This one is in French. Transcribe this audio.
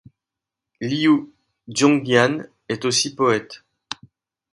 Liu Zongyuan est aussi poète.